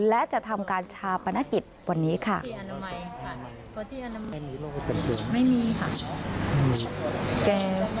และจะทำการชาปนกิจวันนี้ค่ะ